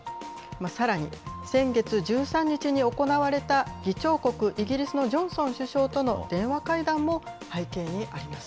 さらに、先月１３日に行われた、議長国、イギリスのジョンソン首相との電話会談も背景にあります。